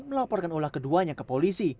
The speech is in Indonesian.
melaporkan olah keduanya ke polisi